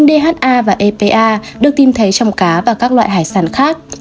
dha và epa được tìm thấy trong cá và các loại hải sản khác